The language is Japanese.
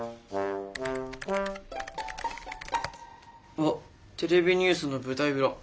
あっ「テレビニュースの舞台裏」。